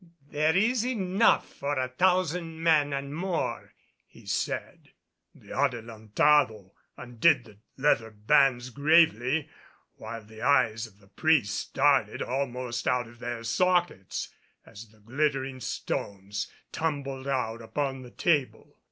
"There is enough for a thousand men and more," he said. The Adelantado undid the leather bands gravely, while the eyes of the priest started almost out of their sockets as the glittering stones tumbled out upon the table.